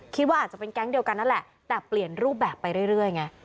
คิดว่าอาจจะเป็นแก๊งเดียวกันนั่นแหละแต่เปลี่ยนรูปแบบไปเรื่อยไง